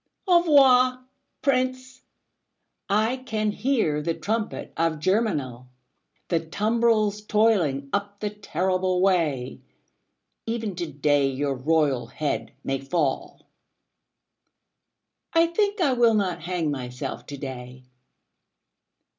|Envoi| Prince, I can hear the trump of Germinal, The tumbrils toiling up the terrible way; Even to day your royal head may fall I think I will not hang myself to day.